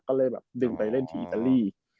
ก็เลยแบบดึงไปเล่นที่อิตาลี